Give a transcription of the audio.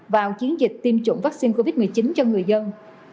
vào chiến dịch tiêm chủng vaccine covid một mươi chín cho người dân